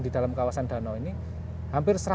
di dalam kawasan danau ini hampir